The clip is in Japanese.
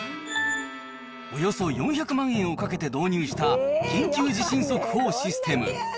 およそ４００万円をかけて導入した、緊急地震速報システム。